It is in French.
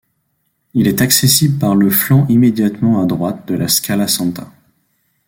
Il est accessible par le flanc immédiatement à droite de la Scala Santa.